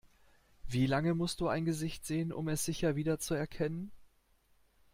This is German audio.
Wie lange musst du ein Gesicht sehen, um es sicher wiederzuerkennen?